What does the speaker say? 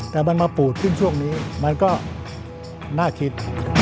แต่มันมาปูดขึ้นช่วงนี้มันก็น่าคิด